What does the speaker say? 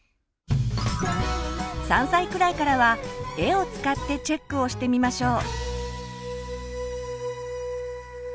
３歳くらいからは絵を使ってチェックをしてみましょう。